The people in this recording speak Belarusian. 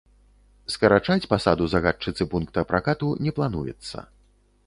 Скарачаць пасаду загадчыцы пункта пракату не плануецца.